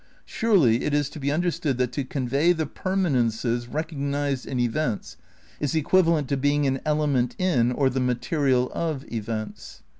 Surely it is to be understood that to '' convey the permanences recognised in events" is equivalent to being an "element in" or the "material of" events.